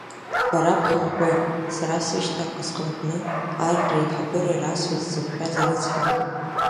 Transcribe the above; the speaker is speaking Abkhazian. Бара бхынҳәы, сара сышьҭахьҟа схынҳәны ар реиҳабыра ирасҳәоит сзықәшәаз арыцҳара.